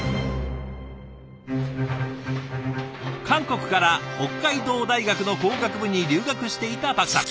韓国から北海道大学の工学部に留学していたパクさん。